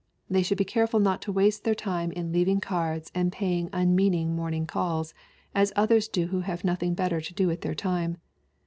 They should be careful not to waste their time in leaving cards and paying unmeaning morning calls^.as others do who have nothing better to do with t£eir time.